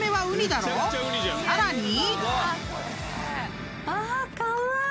［さらに］